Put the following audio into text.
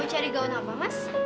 mau cari gaun apa mas